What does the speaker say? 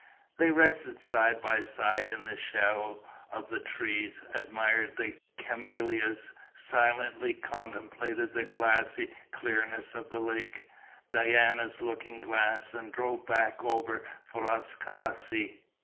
They rested side by side in the shadow of the trees, admired the camellias, silently contemplated the glassy clearness of the lake, Diana's looking glass, and drove back over Frascati.